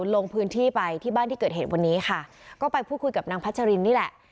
ลงพื้นที่ไปที่บ้านที่เกิดเหตุวันนี้ค่ะก็ไปพูดคุยกับนางพัชรินนี่แหละ